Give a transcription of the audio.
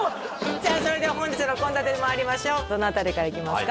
じゃあそれでは本日の献立にまいりましょうどの辺りからいきますか？